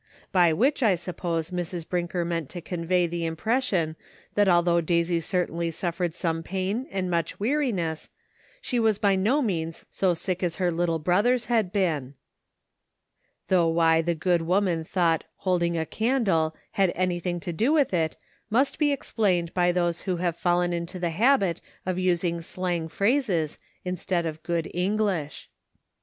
By which, I sup pose Mrs. Brinker meant to convey the impres sion that although Daisy certainly suffered some pain and much weariness, she was by no means so sick as her little brothers had been ; though why the good woman thought "holding a can dle " had anything to do with it, must be ex plained by those who have fallen into the habit of using slang phrases, instead of good English.